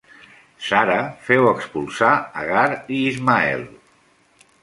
Sara féu expulsar Agar i Ismael.